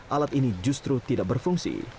alat ini justru tidak berfungsi